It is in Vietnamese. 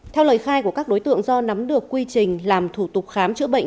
theo lời khai của các đối tượng do nắm được quy trình làm thủ tục khám chữa bệnh